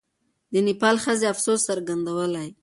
د نېپال ښځې افسوس څرګندولی.